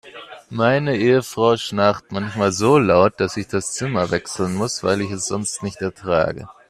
Meine Ehefrau schnarcht manchmal so laut, dass ich das Zimmer wechseln muss, weil ich es sonst nicht ertrage.